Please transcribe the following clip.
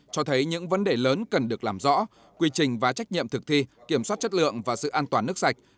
cho thấy những vấn đề lớn cần được làm rõ quy trình và trách nhiệm thực thi kiểm soát chất lượng và sự an toàn nước sạch